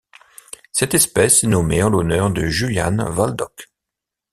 Cette espèce est nommée en l'honneur de Julianne Waldock.